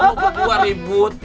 kamu kedua ribut